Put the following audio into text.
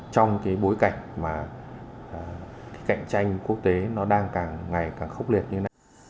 trong cái bối cảnh mà cái cạnh tranh quốc tế nó đang càng ngày càng khốc liệt như thế này